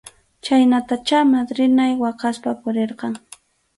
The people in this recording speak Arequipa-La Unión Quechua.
Chhaynatachá madrinay waqaspa purirqan.